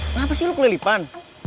kenapa sih lo kelilipan